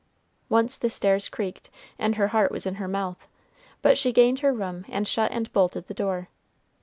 Once the stairs creaked, and her heart was in her mouth, but she gained her room and shut and bolted the door.